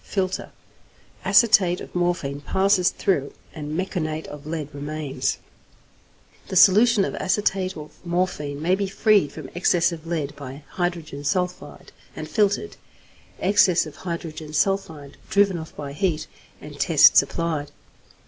Filter. Acetate of morphine passes through, and meconate of lead remains. The solution of acetate of morphine may be freed from excess of lead by hydrogen sulphide and filtered, excess of hydrogen sulphide driven off by heat, and tests applied.